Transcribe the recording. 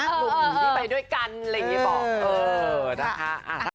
หนุ่มที่ไปด้วยกันอะไรอย่างนี้บอกเออนะคะ